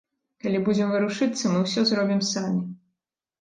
Калі будзем варушыцца, мы ўсё зробім самі.